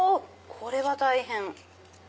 これは大変！